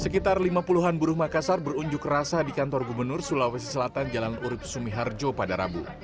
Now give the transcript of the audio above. sekitar lima puluh an buruh makassar berunjuk rasa di kantor gubernur sulawesi selatan jalan urib sumiharjo pada rabu